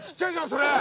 それ。